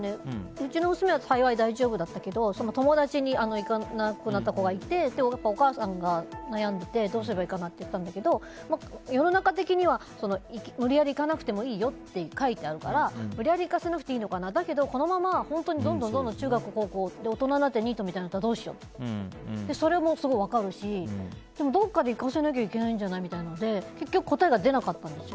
うちの娘は幸い大丈夫だったけど友達に行かなくなった子がいてお母さんが悩んでいてどうすればいいかなって言ってたんだけど世の中的には無理やり行かなくてもいいよって書いてあるから無理やり行かせなくていいのかな。だけどこのまま本当にどんどん中学、高校大人になってニートになったらどうしようっていうそれもすごい分かるしどこかで行かせなきゃいけないんじゃないみたいなので結局答えが出なかったんですよ。